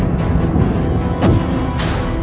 sekarang saatnya aku membalaskan kekalahanku